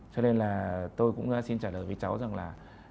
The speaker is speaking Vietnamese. cho nên là tôi cũng xin trả lời với cháu rằng là